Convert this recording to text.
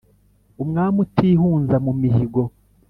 umwami utihunza mu mihigo